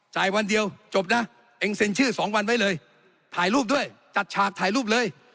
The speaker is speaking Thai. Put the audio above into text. วันเดียวจบนะเองเซ็นชื่อ๒วันไว้เลยถ่ายรูปด้วยจัดฉากถ่ายรูปเลย